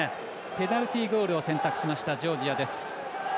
ペナルティゴールを選択しました、ジョージアです。